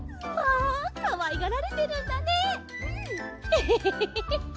エヘヘヘヘ。